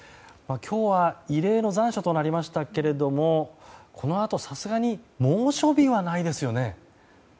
今日は異例の残暑となりましたけれどもこのあと、さすがに猛暑日はないですよね？